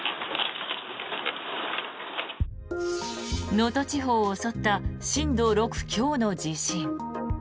能登地方を襲った震度６強の地震。